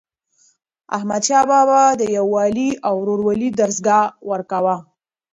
احمدشاه بابا د یووالي او ورورولۍ درس ورکاوه.